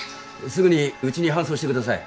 すぐにうちに搬送してください。